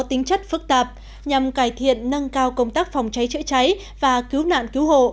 tính chất phức tạp nhằm cải thiện nâng cao công tác phòng cháy chữa cháy và cứu nạn cứu hộ